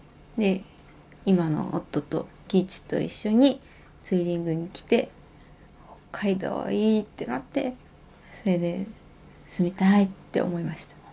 で今の夫と喜一と一緒にツーリングに来て「北海道いい！」ってなってそれで住みたいって思いました。